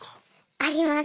あります。